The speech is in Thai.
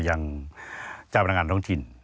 อย่างเจ้าพนักงานท้องถิ่น